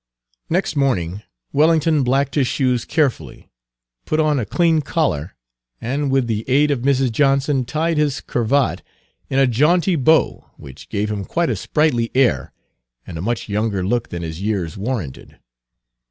Next morning Wellington blacked his shoes carefully, put on a clean collar, and with the aid of Mrs. Johnson tied his cravat in a jaunty bow which gave him quite a sprightly air and a much younger look than his years warranted.